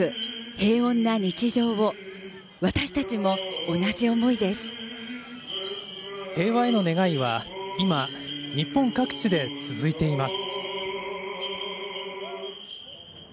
平和への願いは今、日本各地で続いています。